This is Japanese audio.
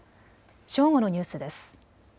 正午のニュースです。